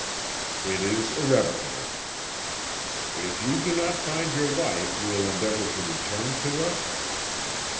"It is irrevocable." "If you do not find your wife you will endeavour to return to us?"